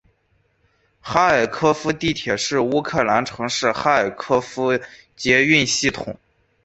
哈尔科夫地铁是乌克兰城市哈尔科夫的捷运系统。